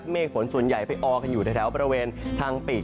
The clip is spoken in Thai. เมฆฝนส่วนใหญ่ไปออกันอยู่ในแถวบริเวณทางปีก